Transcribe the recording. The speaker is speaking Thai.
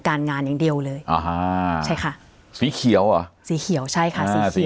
งานอย่างเดียวเลยอ่าฮะใช่ค่ะสีเขียวเหรอสีเขียวใช่ค่ะสีสี